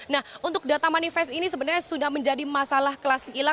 nah untuk data manifest ini sebenarnya sudah menjadi masalah klasik hilang